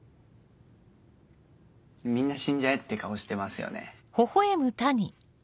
「みんな死んじゃえ」って顔してますよね。